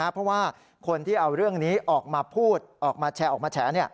เพราะว่าคนที่เอาเรื่องนี้ออกมาพูดออกมาแชร์ออกมาแฉ